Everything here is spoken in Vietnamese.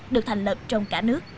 được thành lập trong cả nước